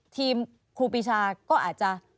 ครูปีชาก็อาจจะ